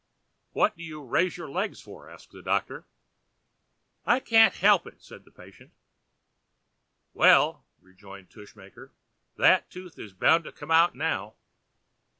"What do you raise your leg for?" asked the Doctor. [Pg 69] "I can't help it," said the patient. "Well," rejoined Tushmaker, "that tooth is bound to come out now."